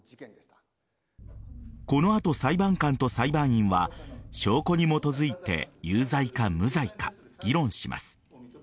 この後、裁判官と裁判員は証拠に基づいて有罪か無罪か議論します。